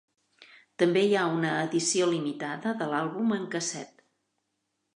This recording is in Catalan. També hi ha una edició limitada de l'àlbum en casset.